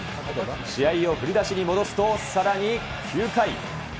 試合を振り出しに戻すとさらに９回。